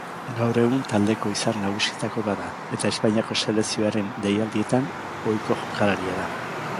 Gaur egun taldeko izar nagusietako bat da, eta Espainiako selekzioaren deialdietan ohiko jokalaria da.